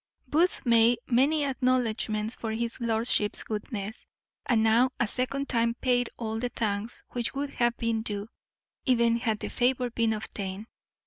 Booth made many acknowledgments for his lordship's goodness, and now a second time paid all the thanks which would have been due, even had the favour been obtained.